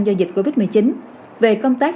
do dịch covid một mươi chín về công tác